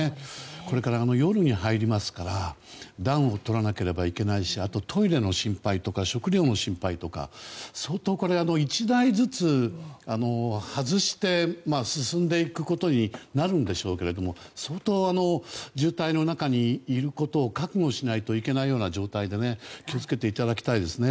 これから夜に入りますから暖をとらなければいけないしあとトイレの心配とか食料の心配とか１台ずつ外して進んでいくことになるんでしょうけれども相当渋滞の中にいることを覚悟しないといけないような状況で気を付けていただきたいですね。